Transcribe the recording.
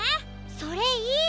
それいい！